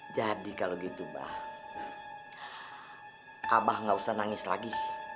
jadi kalau gitu mbak abah gak usah nangis lagi